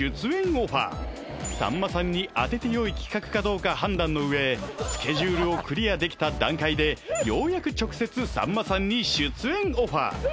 オファーさんまさんに当ててよい企画かどうか判断のうえスケジュールをクリアできた段階でようやく直接さんまさんに出演オファー